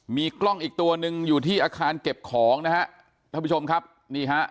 มีกล้องอีกตัวหนึ่งอยู่ที่อาคารเก็บของนะฮะท่านผู้ชมครับนี่ฮะ